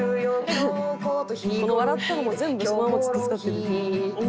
「この笑ったのも全部そのままずっと使ってる」